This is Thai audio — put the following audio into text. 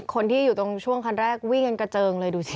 คนที่อยู่ตรงช่วงคันแรกวิ่งกันกระเจิงเลยดูสิ